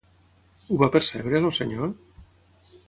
Ho va percebre, el senyor?